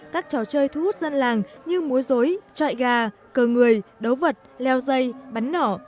các trò chơi thu hút dân làng như múa dối trọi gà cờ người đấu vật leo dây bắn nỏ